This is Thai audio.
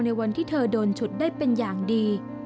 ในวันที่เธอโดนฉุดได้เป็นอย่างดี